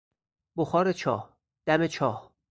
بخار چاه، دم چاه